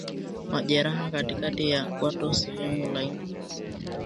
Majeraha katikati ya kwato sehemu laini